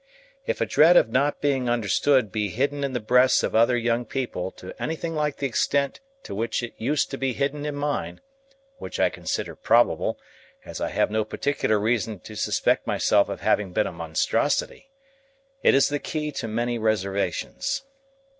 If a dread of not being understood be hidden in the breasts of other young people to anything like the extent to which it used to be hidden in mine,—which I consider probable, as I have no particular reason to suspect myself of having been a monstrosity,—it is the key to many reservations.